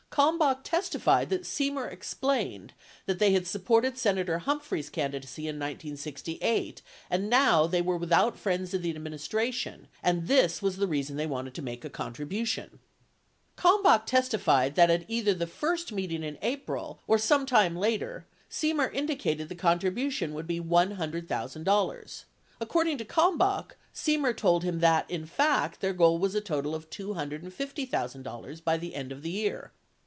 Kalmbach testified that Semer explained that they had supported Senator Humphrey's candidacy in 1968 and now "they were without friends in the administration and this was the reason they wanted to make a contribution." 47 Kalmbach testified that at either the first meeting in April or some time later, Semer indicated the contribution would be $100,000. Ac cording to Kalmbach, Semer told him that, in fact, their goal was a total of $250,000 by the end of the year.